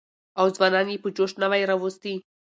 او ځوانان يې په جوش نه وى راوستي.